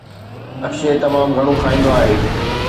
اڪشي تمام گهڻو کائيندو آهي